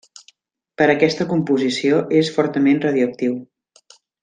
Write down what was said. Per aquesta composició és fortament radioactiu.